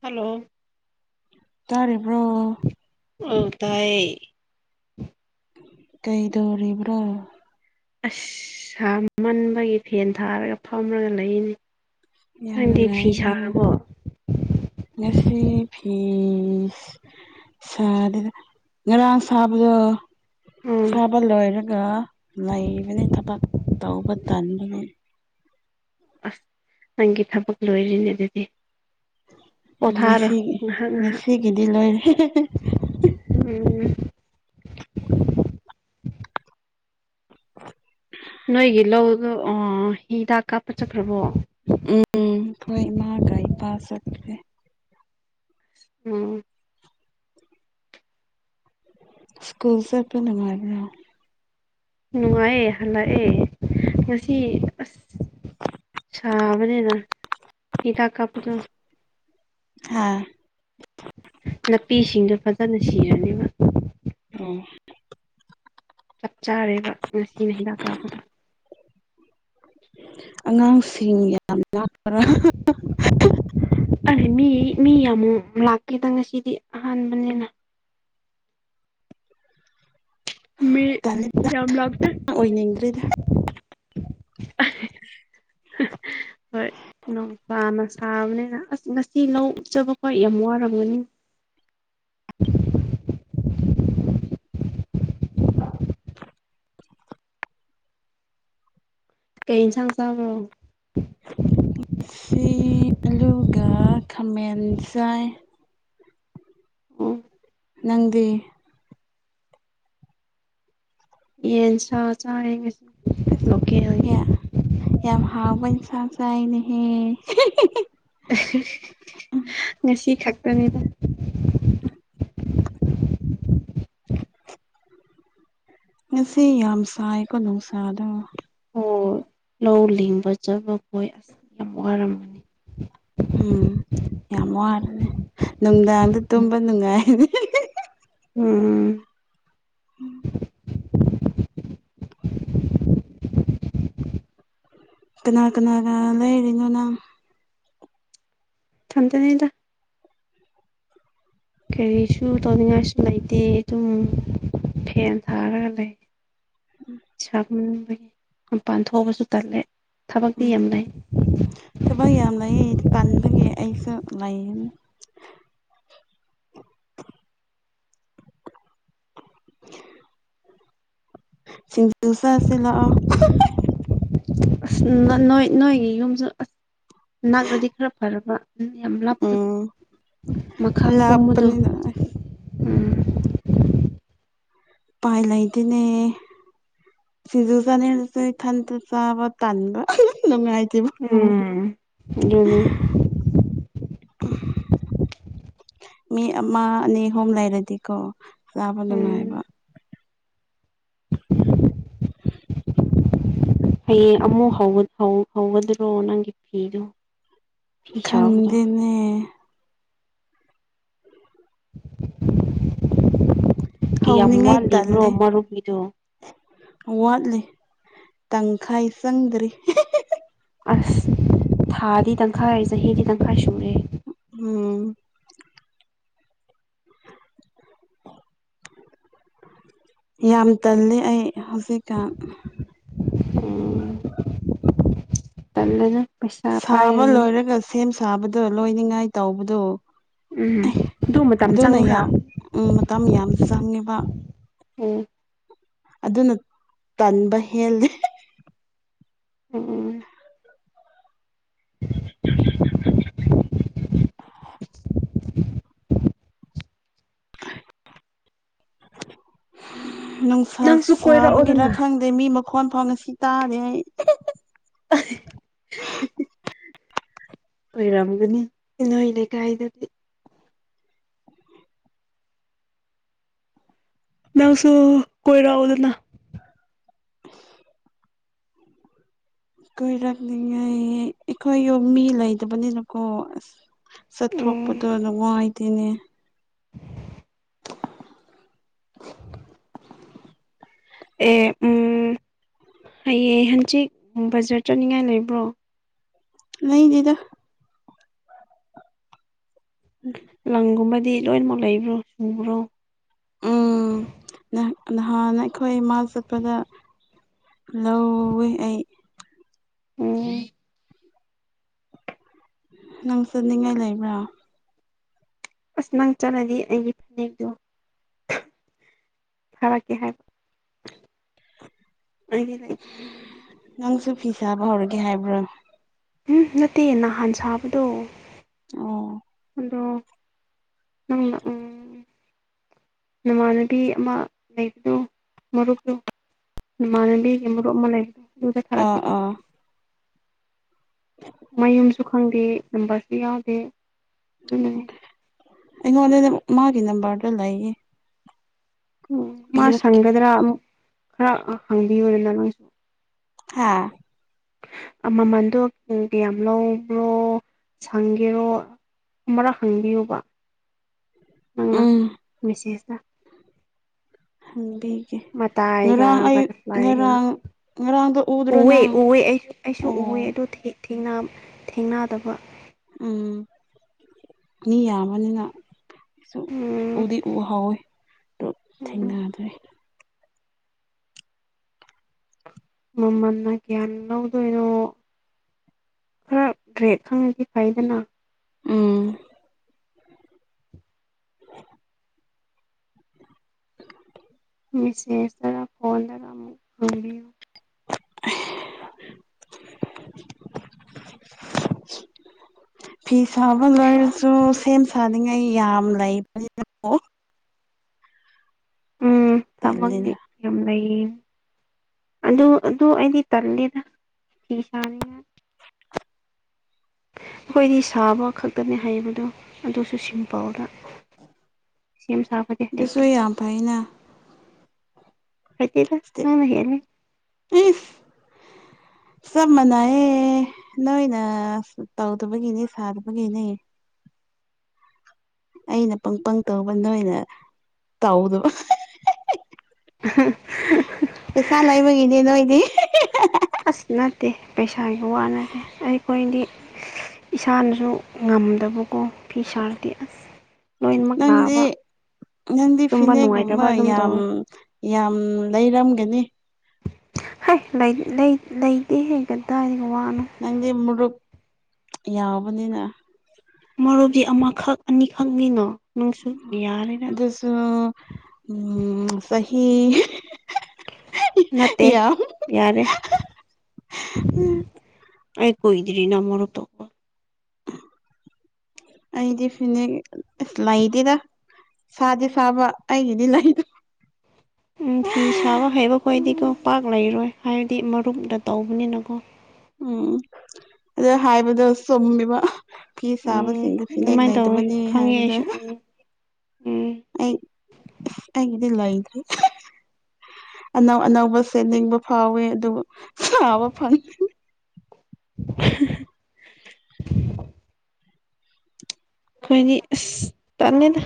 Hello ꯇꯥꯔꯤꯕ꯭ꯔꯣ ꯎꯝ ꯇꯥꯏ ꯀꯩꯗꯧꯔꯤꯕ꯭ꯔꯣ ꯑꯁ ꯁꯥ ꯃꯟꯕꯒꯤ ꯐꯦꯟ ꯊꯥꯔꯒ ꯐꯝꯔꯒ ꯂꯩꯔꯤꯅꯤ ꯌꯥꯝ ꯅꯨꯡꯉꯥꯏꯅ ꯉꯁꯤ ꯐꯤꯁ ꯁꯔꯗ ꯉꯔꯥꯡ ꯁꯥꯕꯗ ꯎꯝ ꯁꯥꯕ ꯂꯣꯏꯔꯒ ꯂꯩꯕꯅꯤ ꯊꯕꯛ ꯇꯧꯕ ꯇꯟꯕꯅꯤ ꯑꯁ! ꯅꯪꯒꯤ ꯊꯕꯛ ꯂꯣꯏꯔꯤꯅꯦ ꯑꯗꯨꯗꯤ ꯄꯣꯊꯥꯔꯣ ꯉꯁꯤ ꯉꯥꯏꯍꯥꯛ ꯉꯥꯏꯍꯥꯛ ꯉꯁꯤ ꯒꯤꯗꯤ ꯂꯣꯏꯏꯍꯦ꯫ ꯎꯝ ꯎꯝ ꯅꯣꯏꯒꯤ ꯂꯧꯗ ꯑꯣ ꯍꯤꯗꯥꯛ ꯀꯥꯞꯄ ꯆꯠꯈ꯭ꯔꯕꯣ? ꯎꯝ ꯑꯩꯈꯣꯏ ꯏꯃꯥꯒ ꯏꯄꯥ ꯆꯠꯈ꯭ꯔꯦ꯫ ꯎꯝ ꯁꯀꯨꯜ ꯆꯠꯄ ꯅꯨꯉꯥꯏꯕꯔꯪ꯫ ꯅꯨꯡꯉꯥꯏꯌꯦ ꯍꯜꯂꯛꯑꯦ ꯁꯤ ꯑꯁ ꯆꯥꯕꯅꯤꯅ ꯍꯤꯗꯥꯛ ꯀꯥꯞꯄꯗꯣ ꯍꯥꯥ ꯅꯥꯄꯤꯁꯤꯡꯗꯣ ꯐꯖꯅ ꯁꯤꯔꯅꯦꯕ ꯑꯣ ꯆꯞ ꯆꯥꯔꯦꯕ ꯉꯁꯤꯅ ꯍꯤꯗꯥꯛ ꯀꯥꯞꯕꯗ ꯑꯉꯥꯡꯁꯤꯡ ꯌꯥꯝ ꯂꯅꯥꯄ꯭ꯔꯥ ꯑꯔ ꯃꯤ ꯃꯤ ꯌꯥꯝꯃꯨꯛ ꯂꯥꯛꯀꯦꯗ ꯉꯁꯤꯗꯤ ꯑꯍꯥꯟꯕꯅꯤꯅ ꯃ ꯇꯜꯂꯤ ꯌꯥꯝ ꯂꯥꯛꯇꯦ ꯑꯣꯏꯅꯤꯡꯗ꯭ꯔꯦꯗ [unintelligible] ꯍꯣꯏ ꯅꯣꯡꯄꯥꯅ ꯁꯥꯕꯅꯤꯅ ꯑꯁ ꯉꯁꯤ ꯂꯧ ꯎꯆꯕꯀꯣ ꯌꯥꯝ ꯋꯥꯝꯔꯒꯅꯤ꯫ ꯀꯩ ꯏꯟꯁꯥꯡ ꯆꯥꯕꯣ ꯉꯁꯤ ꯑꯂꯨꯒ ꯈꯥꯃꯦꯟ ꯆꯥꯏ꯫ ꯎꯝ ꯅꯪꯗꯤ ꯌꯦꯟ ꯁꯥ ꯆꯥꯌꯦ ꯂꯣꯛꯜꯒꯤ꯫ ꯌꯥ ꯌꯥꯝ ꯍꯥꯎ ꯄ ꯌꯦꯅꯖꯡ ꯆꯥꯏꯅꯦꯍꯦ ꯍꯤ ꯍꯤ ꯉꯁꯤ ꯈꯛꯇꯅꯤ ꯎꯝ ꯉꯁꯤ ꯌꯥꯝ ꯁꯥꯏꯀꯣ ꯅꯨꯡꯁꯥꯗꯣ꯫ ꯑꯣ ꯂꯧ ꯂꯤꯡꯕ ꯆꯇꯄꯥ ꯃꯈꯈꯣꯏ ꯑꯁ ꯌꯥꯝ ꯋꯥꯔꯝꯝꯅꯤ ꯎꯝ ꯌꯥꯝ ꯋꯥꯔꯅꯦ ꯅꯨꯡꯗꯥꯡꯗ ꯎꯝ ꯇꯨꯝꯕ ꯅꯨꯡꯉꯥꯏꯅꯤ꯫ ꯎꯝ ꯎꯝ [unintelligible] ꯀꯅꯥ ꯀꯅꯥꯒ ꯂꯩꯔꯤꯅꯣ ꯅꯪ ꯢꯊꯟꯗꯅꯤꯗ ꯀꯔꯤꯁꯨ ꯇꯧꯅꯤꯡꯉꯥꯏꯁꯨ ꯂꯩꯇꯦ ꯑꯗꯨꯝ ꯐꯦꯟ ꯊꯥꯔꯒ ꯂꯩ꯫ ꯁꯥꯃꯟꯕꯒꯤ ꯃꯄꯥꯟ ꯊꯣꯛꯑꯕꯁꯨ ꯇꯜꯂꯦ ꯊꯕꯛꯇꯤ ꯎꯝ ꯌꯥꯝ ꯂꯩ꯫ ꯊꯕꯛ ꯌꯥꯝ ꯂꯩꯌꯦ ꯇꯟꯕꯒꯤ ꯑꯩꯁꯨ ꯂꯩꯌꯦ꯫ ꯁꯤꯡꯖꯨꯨ ꯆꯥꯁꯤ ꯂꯥꯛꯑꯣ [unintelligible] [inaudible] ꯑꯁ! ꯅꯣꯏ ꯅꯣꯏꯒꯤ ꯌꯨꯝꯁꯨ ꯑꯁ ꯅꯥꯛꯂꯗꯤ ꯈꯔ ꯐꯔꯕ ꯎꯝ ꯌꯥꯝ ꯂꯥꯞꯄꯗꯣ ꯎꯝ ꯃꯈꯥ ꯀꯣꯝꯕꯗꯣ ꯂꯥꯞꯄꯅꯤꯅ ꯑꯁ ꯎꯄꯥꯏ ꯂꯩꯇꯦꯅꯦ ꯁꯤꯖꯤꯖꯨ ꯆꯅꯤꯖ ꯊꯥꯟ ꯇ ꯆ ꯇꯥꯟꯕ ꯅꯨꯉꯥꯏꯇꯦ ꯎꯝ ꯑꯗꯨꯅꯤ꯫ ꯎꯝ ꯃꯤ ꯑꯃ ꯑꯅꯤ ꯑꯍꯣꯨꯝ ꯂꯩꯔꯗꯤꯀꯣ ꯆꯥꯕ ꯎꯝ ꯅꯨꯡꯉꯥꯏꯕ ꯍꯌꯦꯡ ꯑꯃꯨꯛ ꯍꯧꯒꯗ꯭ꯔꯣ ꯅꯪꯒꯤ ꯐꯤꯗꯨꯣ ꯈꯪꯗꯦꯅꯦ ꯌꯥꯝ ꯍꯧꯅꯤꯡꯉꯥꯏ ꯋꯥꯠꯂꯤꯏꯕ꯭ꯔꯣ ꯇꯜꯂꯦ ꯃꯔꯨꯞꯀꯤꯗꯨꯣ ꯋꯥꯠꯂꯤ ꯇꯪꯈꯥꯏ ꯆꯪꯗ꯭ꯔꯤ ꯑꯁ ꯊꯥꯗꯤ ꯇꯪꯈꯥꯏ ꯆꯍꯤꯗꯤ ꯇꯪꯈꯥꯏ ꯁꯨꯔꯦ꯫ ꯎꯝ ꯌꯥꯝ ꯇꯜꯂꯤ ꯑꯩ ꯍꯧꯖꯤꯛꯀꯥꯟ ꯎꯝ ꯇꯗꯅ ꯁꯥꯕ ꯂꯣꯏꯔꯒ ꯁꯦꯝ ꯁꯥꯕꯗꯣ ꯂꯣꯏꯅꯤꯉꯥꯏ ꯇꯧꯕꯗꯣ ꯎꯝ ꯑꯗꯨ ꯃꯇꯝ ꯑꯗꯨꯅ ꯆꯪꯕ꯭ꯔꯥ ꯌꯥꯝ ꯃꯇꯝ ꯌꯥꯝ ꯆꯪꯉꯕ ꯎꯝ ꯑꯗꯨꯅ ꯇꯟꯕ ꯍꯦꯜꯂꯤ ꯑꯣ ꯑꯣ [unintelligible] ꯅꯨꯡꯁꯥ ꯅꯪꯁꯨ ꯁꯥꯕꯒꯤꯔ ꯀꯣꯏꯔꯛꯑꯣꯗꯅ ꯈꯪꯗꯦ ꯃꯤ ꯃꯈꯣꯟ ꯐꯥꯎꯅ ꯉꯥꯁꯤ ꯇꯥꯔꯦ ꯑꯩ ꯑꯣꯏꯔꯝꯒꯅꯤ ꯏꯅꯣꯏ ꯂꯩꯀꯥꯏꯗꯗꯤ ꯅꯪꯁꯨ ꯀꯣꯏꯔꯎꯗꯅ ꯀꯣꯏꯔꯛꯅꯤꯉꯥꯏ ꯑꯩꯈꯣꯏ ꯌꯨꯝ ꯃꯤ ꯂꯩꯗꯕꯅꯤꯅꯀꯣ ꯑꯁ! ꯎꯝ ꯆꯠꯊꯣꯛꯄꯗꯣ ꯑꯗꯨ ꯅꯨꯡꯉꯥꯏꯇꯦꯅꯦ꯫ [unintelligible] ꯑꯦ ꯎ ꯍꯌꯦꯌꯦ ꯍꯪꯆꯤꯠ ꯕꯖꯥꯔ ꯆꯠꯅꯤꯡꯉꯥꯏ ꯂꯩꯕ꯭ꯔꯣ ꯅꯤꯗ ꯂꯪꯒꯨꯝꯕꯗꯤ ꯂꯣꯏꯅꯃꯛ ꯂꯩꯕ꯭ꯔꯣ ꯆꯨꯕ꯭ꯔꯣ ꯅꯍꯥꯟꯅ ꯑꯩꯈꯣꯏ ꯏꯃꯥ ꯆꯠꯄꯗ ꯂꯧꯏꯦ ꯑꯩ ꯎꯝ ꯅꯪ ꯆꯠꯅꯤꯡꯉꯥꯏ ꯂꯩꯕ꯭ꯔꯣ ꯑꯁ ꯅꯪ ꯆꯠꯂꯗꯤ ꯑꯩꯒꯤ ꯐꯅꯦꯛꯛꯇꯣ ꯊꯔ ꯀ ꯍꯥꯏꯕ ꯂꯩꯇꯦꯗ ꯆꯠꯅꯤꯡꯉꯥꯏ ꯅꯪꯁꯨ ꯐꯤ ꯁꯥꯕ ꯍꯧꯔꯒꯦ ꯍꯥꯏꯕ꯭ꯔꯣ ꯎꯝ ꯅꯠꯇꯦ ꯅꯍꯥꯟ ꯁꯥꯕꯗꯣ ꯑꯣ ꯑꯗꯣ ꯅꯪꯕ ꯎꯝ ꯅꯃꯥꯟꯅꯕꯤ ꯑꯃ ꯂꯩꯕꯅꯣ ꯃꯔꯨꯞꯂꯣ ꯏꯃꯥꯟꯅꯕꯤꯒꯤ ꯃꯔꯨꯞ ꯑꯃ ꯂꯩꯕ ꯑꯥ ꯑꯥ ꯑ ꯃꯌꯨꯝꯁꯨ ꯈꯪꯗꯦ ꯅꯝꯕꯔꯁꯨ ꯌꯥꯎꯗꯦ ꯑꯗꯨꯅꯅꯦ ꯑꯩꯉꯣꯟꯗꯗ ꯃꯥꯒꯤ ꯅꯝꯕꯔꯗ ꯂꯩꯌꯦ ꯎꯝ ꯃꯥ ꯄꯤꯔꯛꯀꯦ ꯁꯪꯒꯗ꯭ꯔꯥ ꯑꯃꯨꯛ ꯈꯔ ꯍꯪꯕꯤꯌꯗꯅ ꯅꯪꯁꯨ ꯍꯥꯝ ꯃꯃꯟꯗꯣ ꯀꯌꯥꯝ ꯂꯧꯕ꯭ꯔꯣ ꯁꯪꯒꯦꯔꯣ ꯑꯃꯛ ꯍꯪꯕꯤꯌꯨꯕ ꯅꯪꯅ ꯃꯦꯁꯦꯖꯇ ꯍꯪꯗꯤ ꯃꯊ ꯑꯒꯇ ꯐꯂꯒ ꯉꯔꯥꯡꯗꯣ ꯎꯗ꯭ꯔꯣ ꯎꯍ ꯅꯪ ꯎꯍ ꯑꯩꯁꯨ ꯎꯍ ꯑꯣ ꯑꯗꯣ ꯊꯦꯡ ꯊꯦꯡꯅꯗꯕ ꯎꯝ ꯃꯤ ꯌꯥꯝꯕꯅꯤꯅ ꯁ ꯎꯝ ꯎꯗꯤ ꯎ ꯍꯥꯎꯋꯤ ꯑꯣ ꯎꯝ ꯊꯦꯡꯅꯖꯦ ꯃꯃꯅꯥ ꯀꯌꯥꯅꯗꯨꯅꯣ ꯈꯔ ꯗ꯭ꯔꯦꯛ ꯈꯪꯉꯗꯤ ꯐꯩꯗꯅ ꯎꯝ [unintelligible] ꯃꯤꯁꯁ ꯇꯔ ꯐꯣꯟꯟ ꯇꯔ ꯔꯕꯤꯌꯨ [unintelligible] ꯐꯤ ꯁꯥꯕ ꯂꯣꯏꯔꯁꯨ ꯁꯦꯝ ꯁꯥꯅꯤꯡꯉꯥꯏ ꯌꯥꯝ ꯂꯩꯕꯅꯤ ꯑꯗꯨꯕꯨ ꯎꯝ ꯊꯃꯒꯤ ꯇꯜꯂꯤꯅ ꯌꯥꯝ ꯂꯩꯌꯦ ꯑꯗꯨ ꯑꯗꯨ ꯑꯩꯗꯤ ꯇꯜꯂꯤꯗ ꯐꯤ ꯁꯥꯅꯤꯅ ꯑꯩꯈꯣꯏꯗꯤ ꯁꯥꯕ ꯈꯛꯇꯅꯦ ꯍꯥꯏꯕꯗꯣ ꯑꯗꯨꯁꯨ ꯁꯤꯝꯄꯥꯎꯗ ꯁꯦꯝ ꯁꯥꯕꯗꯤ ꯑꯗꯨꯁꯨ ꯍꯥꯏꯩꯗꯤꯦ ꯌꯥꯝ ꯐꯩꯅ ꯍꯥꯏꯗ ꯅꯪ ꯍꯦꯅꯤ ꯏ ꯁꯕ ꯃꯅꯥꯏ ꯅꯣꯏꯅ ꯇꯧꯗꯕꯒꯤꯅꯤ ꯁꯥꯗꯕꯒꯤꯅꯦ ꯑꯩꯅ ꯄꯪ ꯄꯪ ꯇꯧꯕ ꯅꯣꯏꯅ ꯇꯥꯎꯗꯕ ꯍ ꯄꯩꯁꯥꯂꯥꯏꯕꯒꯅꯦꯦ ꯅꯣ ꯏꯗꯤ ꯑꯁ ꯅꯠꯇꯦ ꯄꯩꯁꯥꯒꯤ ꯋꯥ ꯅꯠꯇꯦ ꯑꯩꯈꯣꯏꯗꯤ ꯏꯁꯥꯅꯁꯨ ꯉꯝꯗꯕꯀꯣ ꯐꯤ ꯁꯥꯔꯗꯤ ꯑꯁ ꯂꯣꯏꯅꯃꯛ ꯅꯪꯗꯤ ꯅꯥꯕ ꯅꯪꯗꯤ ꯇꯨꯝꯕ ꯅꯨꯡꯉꯥꯏꯇꯕ ꯐꯤꯅꯦꯦꯛꯒꯨꯝꯕ ꯑꯗꯨꯝ ꯌꯥꯝ ꯇꯧꯋꯦ ꯌꯥꯝ ꯂꯩꯔꯝꯒꯅꯤ ꯍ ꯂꯩꯇꯦ ꯍꯦꯛ ꯀꯗꯥꯏꯔꯒ ꯋꯥꯅꯣ ꯅꯪꯗꯤ ꯃꯨꯔꯨꯞ ꯌꯥꯎꯕꯅꯤꯅ ꯃꯔꯨꯞꯗꯤ ꯑꯃꯈꯛ ꯑꯅꯤꯈꯛꯅꯤꯅꯣ ꯅꯪꯁꯨ ꯌꯥꯔꯦꯔ ꯑꯗꯨꯁꯨꯣ ꯎꯝ ꯁꯍꯤ ꯅꯠꯇꯦ ꯌꯥꯔꯦ ꯑꯩ ꯀꯣꯏꯗꯔꯤꯅ ꯃꯔꯛꯇ ꯑꯩꯗꯤ ꯐꯅꯤ ꯂꯥꯏꯗꯦꯗ ꯐꯗꯤ ꯐꯥꯕ ꯑꯩꯒꯤꯗꯤ ꯂꯩꯗ ꯎ ꯐꯤ ꯁꯥꯕ ꯍꯩꯕ ꯈꯣꯗꯤꯀꯣ ꯄꯥꯛ ꯂꯩꯔꯣꯏ ꯍꯥꯏꯕꯗꯤ ꯃꯔꯨꯞꯇ ꯇꯧꯕꯅꯤꯅꯀꯣ ꯎꯝ ꯑꯗ ꯍꯥꯏꯕꯗ ꯆꯨꯝꯃꯦꯕ ꯐꯤ ꯎꯝ ꯁꯥꯕꯁꯤꯡꯗꯨ ꯐꯤꯅꯦꯛ ꯑꯗꯨꯃꯥꯏꯅ ꯇꯧꯋꯦ ꯂꯩꯗꯕꯅꯤ ꯈꯪꯉꯦ ꯍꯥꯏꯕꯗꯣ ꯑꯩꯁꯨ ꯎꯝ ꯎꯝ ꯑꯩ ꯍꯥꯏꯗ ꯂꯔꯤ ꯑꯅꯧ ꯑꯅꯧꯕꯁꯦ ꯅꯤꯡꯕ ꯐꯥꯎꯋꯦ ꯑꯗꯨꯕꯨ ꯁꯥꯕ ꯐꯪꯦ [unintelligible] ꯑꯩꯣꯏꯅꯤ ꯇꯅꯤꯗ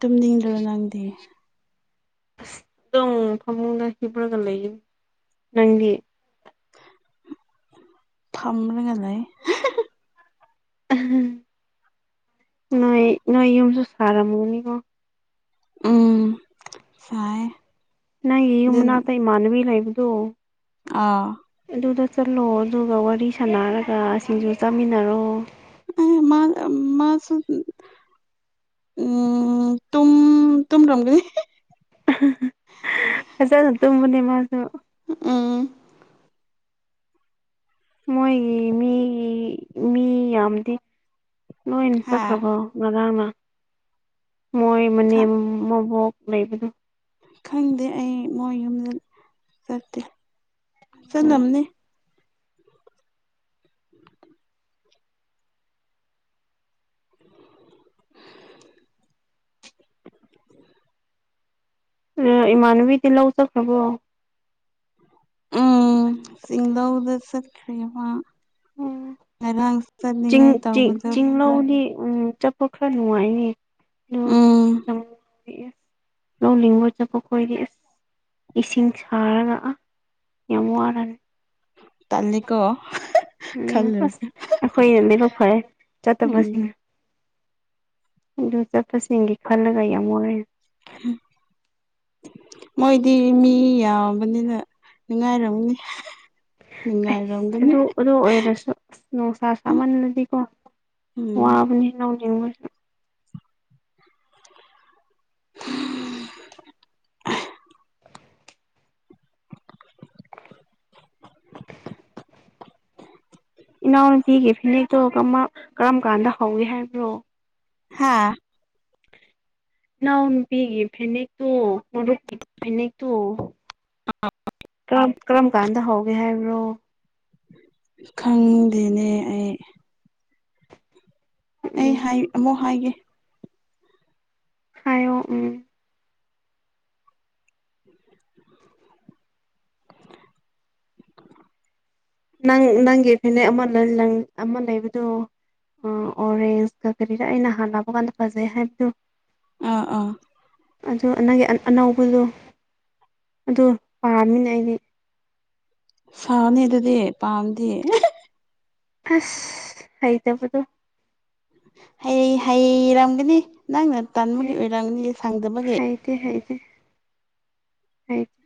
ꯇꯨꯝꯅꯤꯡꯗ꯭ꯔꯣ ꯅꯪꯗꯦ ꯑꯗꯨꯣꯡ ꯐꯝꯃꯨꯡꯒ ꯍꯕ꯭ꯔꯒ ꯂꯩꯏ ꯅꯪꯗꯤ ꯐꯥꯝ ꯔꯔꯤꯉꯂ ꯂꯩ ꯎ ꯅꯣꯏ ꯅꯣꯏ ꯌꯨꯝꯁꯨ ꯁꯥꯔꯝꯃꯨꯅꯤꯀꯣ ꯎꯝ ꯆꯥꯏ ꯅꯪ ꯌꯦ ꯌꯨꯝꯅꯥ ꯇ ꯏ ꯃꯥꯥꯟꯕꯤ ꯂꯩ ꯏꯕꯗꯨꯣ ꯑ ꯑꯗꯨꯗ ꯆꯠꯂꯣ ꯑꯗꯨꯒ ꯋꯥꯔꯤ ꯁꯥꯟꯅꯔꯒ ꯁꯤꯡꯖ ꯆꯥꯃꯤꯟꯅꯔꯣ ꯑ ꯃꯥ ꯃꯥꯁꯨ ꯎꯝ ꯇ ꯇ ꯔꯣꯝꯒꯅꯤ ꯐꯖꯅꯅ ꯇꯨꯝꯕꯅꯦ ꯃꯥꯁꯨ ꯎꯝ ꯃꯣꯏꯒꯤ ꯃꯤꯒꯤ ꯃꯤ ꯌꯥꯝꯗꯤ ꯅꯣꯏꯅ ꯍꯥ ꯆꯠꯈ꯭ꯔꯕꯣ ꯉꯔꯥꯡꯅ ꯃꯣꯏ ꯃꯅꯦꯝ ꯈꯪ ꯃꯕꯣꯛ ꯂꯩꯕꯗꯨꯣ ꯈꯪꯗꯦ ꯑꯩ ꯃꯣꯏ ꯌꯨꯝꯗ ꯆꯠꯇꯦ ꯎꯝ ꯆꯠꯂꯝꯅꯤ ꯑ ꯏꯃꯥꯟꯅꯕꯤꯗꯤ ꯂꯧꯖꯈ꯭ꯔꯕꯣ ꯎꯝ ꯁꯤꯡꯗ ꯎꯗ ꯆꯠꯈ꯭ꯔꯦꯕ ꯎꯝ ꯆꯤꯡ ꯆ ꯇꯧꯕꯗꯣ ꯈꯔ ꯆꯤꯡꯡꯂꯥꯎꯗꯤ ꯎꯝ ꯆꯞ ꯈꯔ ꯅꯨꯡꯉꯥꯏꯅꯦ ꯎꯝ ꯂꯧꯅꯤꯡꯕ ꯆꯕꯈꯣꯏꯔꯁ ꯏꯁꯤꯡ ꯁꯥꯔꯒ ꯌꯥꯝ ꯋꯥꯔꯅꯤ ꯇꯥꯅꯤꯀꯣ ꯎꯝ ꯑꯁ ꯑꯩꯈꯣꯏꯅꯗꯤꯔ ꯐꯔꯦ ꯎꯝ ꯆꯠꯇꯕꯁꯤꯡꯅ ꯑꯗꯨ ꯆꯠꯄꯁꯤꯡ ꯈꯜꯂꯒ ꯌꯥꯝꯃꯦ ꯎꯝ ꯃꯣꯏꯗꯤ ꯃꯤ ꯌꯥꯝꯕꯅꯤꯅ ꯅꯨꯡꯉꯥꯏꯔꯝꯅꯤ ꯑꯁ ꯅꯨꯡꯉꯥꯏꯔꯝꯒꯅꯤ ꯑꯗꯨ ꯑꯗꯨ ꯑꯣꯏꯔꯁꯨ ꯑꯁ ꯅꯨꯡꯁꯥ ꯁꯥꯥꯃꯜꯂꯗꯤꯀꯣ ꯎꯝ ꯋꯥꯕꯅꯤ ꯅꯧꯅꯤꯡꯕ [unintelligible] ꯏꯅꯥꯎꯅꯨꯄꯤꯒꯤ ꯐꯤꯅꯦꯛꯇꯣ ꯀꯔꯝ ꯀꯥꯟꯗ ꯍꯧꯏ ꯍꯥꯏꯕ꯭ꯔꯣ ꯍꯥꯥ ꯅꯅꯥꯎ ꯅꯨꯄꯤꯤꯒꯤ ꯐꯅꯦꯛꯛꯇꯣꯔ ꯐꯦꯅꯦꯛꯦꯛꯛꯇꯣ ꯀꯔꯝ ꯀꯔꯝ ꯀꯥꯟꯗ ꯍꯧꯒꯦ ꯍꯥꯏꯕ꯭ꯔꯣ ꯈꯪꯗꯦꯅꯦ ꯑꯩ ꯑꯩ ꯎꯝ ꯍꯥꯏ ꯑꯃꯨꯛ ꯍꯥꯏꯒꯦ ꯍꯥꯏꯣ ꯎꯝ ꯎꯝ ꯅꯪ ꯅꯪꯒꯤ ꯐꯅꯦ ꯑꯃ ꯑꯃ ꯂꯩꯕꯗꯣ ꯑ ꯑꯣꯔꯦꯟꯖꯀ ꯀꯔꯤꯗ ꯑꯩꯩꯅ ꯅꯍꯥꯟ ꯂꯥꯛꯄ ꯀꯥꯟꯗ ꯐꯖꯩ ꯍꯥꯏꯕꯗꯨ ꯑꯥ ꯑꯥ ꯑꯗꯨ ꯅꯪꯒꯤ ꯑꯅꯧꯕꯗꯣ ꯑꯗꯨ ꯄꯥꯝꯃꯤꯅꯦ ꯑꯩꯗꯤ ꯁꯥꯅꯤ ꯑꯗꯨꯗꯤ ꯄꯥꯝꯗꯤ ꯑꯁ ꯍꯩꯇꯕꯗꯨꯣ ꯍ ꯍꯩꯔꯝꯒꯅꯤ ꯅꯪꯅ ꯇꯟꯥꯟꯕꯒꯤ ꯑꯣꯏꯔꯝꯒꯅꯤ ꯁꯥꯡꯗꯕꯒꯤ ꯍꯥꯏꯗꯤ ꯍꯥꯏ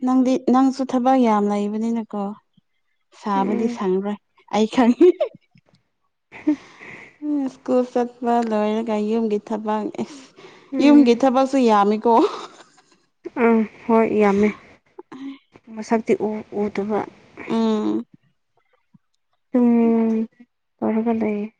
ꯅꯪꯗꯤ ꯅꯪꯁꯨ ꯊꯕꯛ ꯌꯥꯝ ꯂꯩꯕꯅꯤꯅꯀꯣ ꯁꯥꯕꯗꯤ ꯎꯝ ꯁꯪꯉꯔꯣꯏ ꯑꯩꯈꯅꯤ ꯁ꯭ꯀꯨꯜ ꯆꯠꯄ ꯂꯣꯏꯔꯒ ꯌꯨꯝꯒꯤ ꯊꯕꯛ ꯌꯨꯝꯒꯤ ꯎꯝ ꯊꯕꯛꯁꯨ ꯌꯥꯝꯃꯤꯀꯣ ꯑꯥ ꯍꯣꯏ ꯌꯥꯝꯃꯦ ꯃꯁꯛꯇꯤ ꯎ ꯎꯗꯕ ꯎꯝ ꯇꯨꯝ ꯍꯔ ꯍꯒ ꯂꯩꯏ